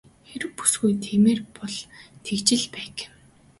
Хэрэв бүсгүй тэгмээр байгаа бол тэгж л байг.